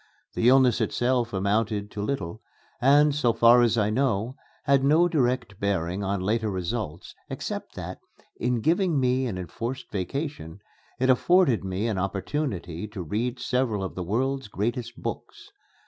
The illness itself amounted to little, and, so far as I know, had no direct bearing on later results, except that, in giving me an enforced vacation, it afforded me an opportunity to read several of the world's great books.